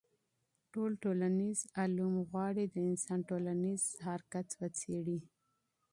ټول ټولنيز علوم غواړي د انسان ټولنيز رفتار وڅېړي.